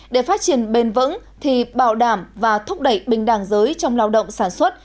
để phát triển bền vững thì bảo đảm và thúc đẩy bình đẳng giới trong lao động sản xuất